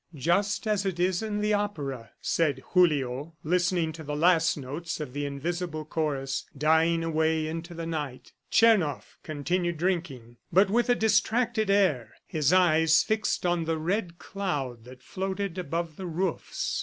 "Just as it is in the opera," said Julio listening to the last notes of the invisible chorus dying away into the night. Tchernoff continued drinking, but with a distracted air, his eyes fixed on the red cloud that floated over the roofs.